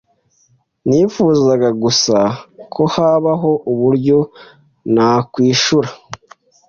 Nifuzaga gusa ko habaho uburyo nakwishura.